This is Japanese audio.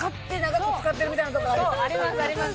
そうありますあります